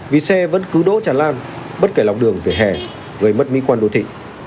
vì xe vẫn cứ đỗ tràn lan bất kể lọc đường vỉa hè gây mất mỹ quan đồ thị